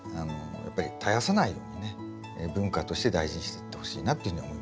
やっぱり絶やさないようにね文化として大事にしてってほしいなっていうふうには思いますね。